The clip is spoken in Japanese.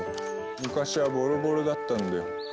昔はボロボロだったんだよ。